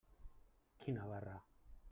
Quina barra!